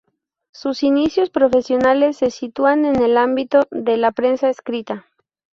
Sus inicios profesionales se sitúan en el ámbito de la prensa escrita.